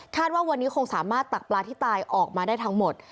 ว่าวันนี้คงสามารถตักปลาที่ตายออกมาได้ทั้งหมด